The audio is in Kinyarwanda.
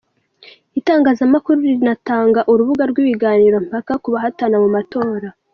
Itangazamakuru rinatanga urubuga rw’ibiganiro mpaka ku bahatana mu matora.